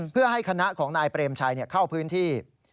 เพื่อให้คณะของนายเปรมชัยเข้าพื้นที่